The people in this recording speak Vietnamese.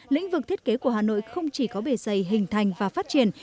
lĩnh vực thiết kế của hà nội không chỉ có bề dày hình thành và phát triển